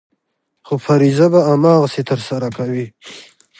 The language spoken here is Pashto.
خو فریضه به هماغسې ترسره کوې.